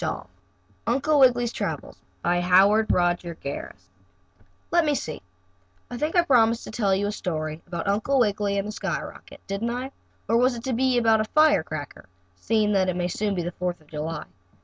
STORY V UNCLE WIGGILY AND THE SKY CRACKER Let me see, I think I promised to tell you a story about Uncle Wiggily and the skyrocket, didn't I? Or was it to be about a firecracker, seeing that it soon may be the Fourth of July?